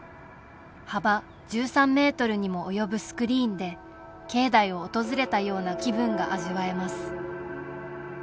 幅１３メートルにも及ぶスクリーンで境内を訪れたような気分が味わえます。